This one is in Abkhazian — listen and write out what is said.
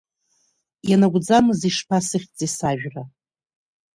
Ианакәӡамыз ишԥасыхьӡеи сажәра?